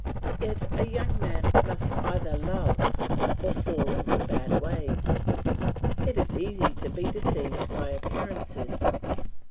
Yet a young man must either love or fall into bad ways. It is easy to be deceived by appearances.